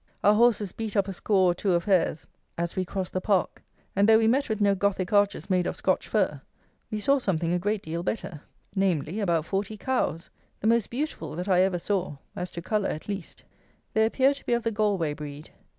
Our horses beat up a score or two of hares as we crossed the park; and, though we met with no gothic arches made of Scotch fir, we saw something a great deal better; namely, about forty cows, the most beautiful that I ever saw, as to colour at least. They appear to be of the Galway breed.